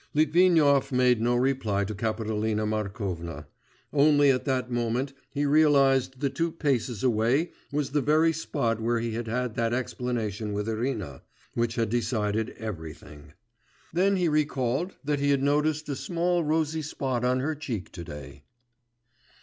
Litvinov made no reply to Kapitolina Markovna; only at that moment he realised that two paces away was the very spot where he had had that explanation with Irina, which had decided everything. Then he recalled that he had noticed a small rosy spot on her cheek to day....